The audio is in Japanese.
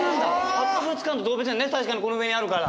博物館と動物園確かにこの上にあるから。